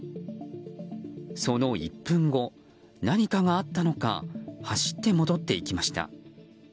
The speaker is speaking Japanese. その１分後、何かがあったのか走って戻っていきました。